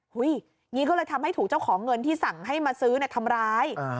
อย่างนี้ก็เลยทำให้ถูกเจ้าของเงินที่สั่งให้มาซื้อทำร้าย